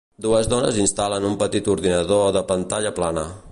Dues dones instal·len un petit ordinador de pantalla plana